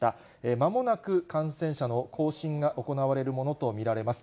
まもなく感染者の更新が行われるものと見られます。